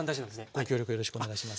ご協力よろしくお願いします。